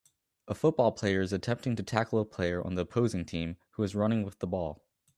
A football player is attempting to tackle a player on the opposing team who is running with the ball